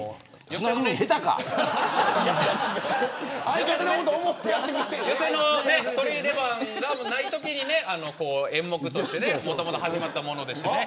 寄席の出番ないときに演目としてねもともと始まったものでしてね。